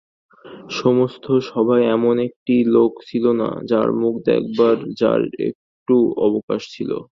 সমস্ত সভায় এমন একটি লোক ছিল না আমার মুখ দেখবার যার একটু অবকাশ ছিল।